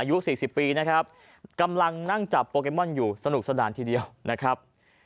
อายุ๔๐ปีนะครับกำลังนั่งจับโปเกมอนอยู่สนุกสนานทีเดียวนะครับ